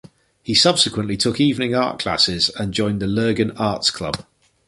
He subsequently took evening art classes and joined the Lurgan Arts Club.